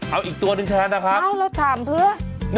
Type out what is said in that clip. เอาอีกตัวหนึ่งแทนนะครับเอ้าเราถามเพื่อ